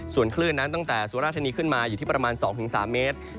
ส่วนคลื่นนั้นตั้งแต่สุราธานีขึ้นมาอยู่ที่ประมาณ๒๓เมตร